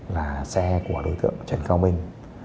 là xe của đối tượng trần cao minh